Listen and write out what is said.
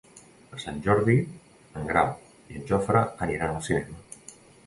Per Sant Jordi en Grau i en Jofre aniran al cinema.